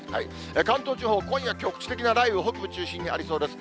関東地方、今夜、局地的な雷雨、北部中心にありそうです。